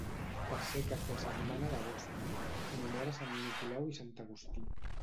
Tercer cap de setmana d'agost, en honor a Sant Nicolau i Sant Agustí.